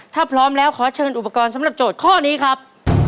ถ้าพร้อมแล้วขอเชิญอุปกรณ์สำหรับโจทย์ข้อนี้ครับ